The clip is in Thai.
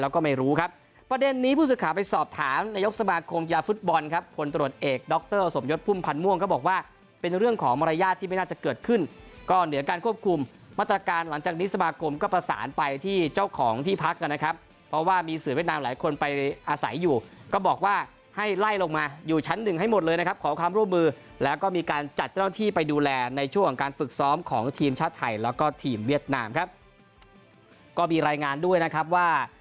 ขึ้นก็เหนือการควบคุมมาตรการหลังจากนิสมากรมก็ประสานไปที่เจ้าของที่พักกันนะครับเพราะว่ามีสื่อเวียดนามหลายคนไปอาศัยอยู่ก็บอกว่าให้ไล่ลงมาอยู่ชั้น๑ให้หมดเลยนะครับขอความร่วมมือแล้วก็มีการจัดเจ้าหน้าที่ไปดูแลในช่วงการฝึกซ้อมของทีมชาติไทยแล้วก็ทีมเวียดนามครับก็มีรายงานด้วยนะครับว